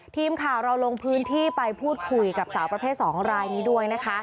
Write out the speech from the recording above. ทีมข่าวเราลงพื้นที่ไปพูดคุยกับสาวประเภท๒รายนี้ด้วยนะคะ